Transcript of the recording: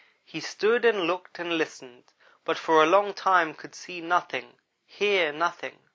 He stood and looked and listened, but for a long time could see nothing hear nothing.